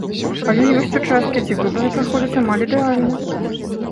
Але ёсць участкі, дзе выбары праходзяць амаль ідэальна.